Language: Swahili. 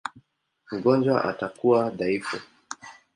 Mgonjwa atakuwa dhaifu.